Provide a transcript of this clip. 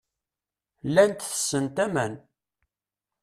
Llant tessent aman.